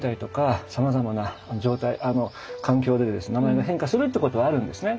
名前が変化するっていうことはあるんですね。